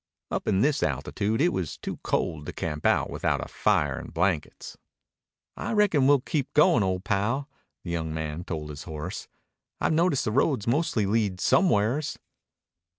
Up in this altitude it was too cold to camp out without a fire and blankets. "I reckon we'll keep goin', old pal," the young man told his horse. "I've noticed roads mostly lead somewheres."